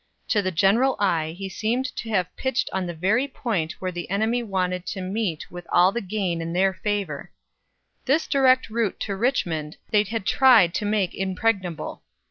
To the general eye he seemed to have pitched on the very point where the enemy wanted to meet with all the gain in their favor. This direct route to Richmond they had tried to make impregnable.